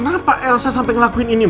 kenapa elsa sampai ngelakuin ini